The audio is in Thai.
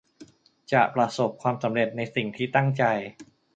จะประสบความสำเร็จในสิ่งที่ตั้งใจ